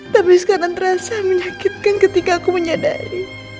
tapi sekarang terasa menyakitkan ketika aku menyadari